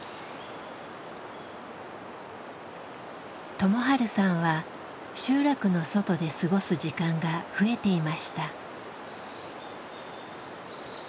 友治さんは集落の外で過ごす時間が増えていました。